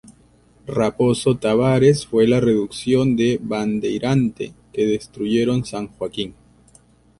Raposo Tavares fue la reducción de Bandeirante, que destruyeron San Joaquín.